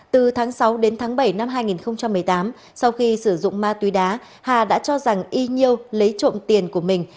từ tháng sáu đến tháng bảy năm hai nghìn một mươi tám sau khi sử dụng ma túy đá hà đã cho rằng y nhiều lấy trộm tiền của mình